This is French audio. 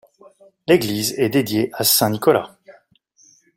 L'église est dédié à saint Nicolas.